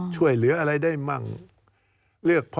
สวัสดีครับทุกคน